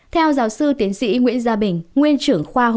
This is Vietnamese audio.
theo giáo sư tiến sĩ nguyễn gia bình